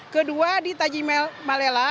kedua di tajimalela